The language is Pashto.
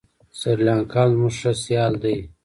سریلانکا هم زموږ ښه سیال دی.